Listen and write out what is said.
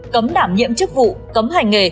cấm đảm nhiệm chức vụ cấm hành nghề